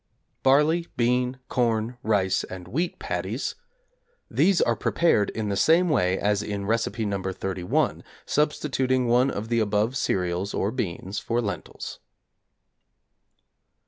=Barley, Bean, Corn, Rice, and Wheat Patties= These are prepared in the same way as in Recipe No. 31, substituting one of the above cereals or beans for lentils.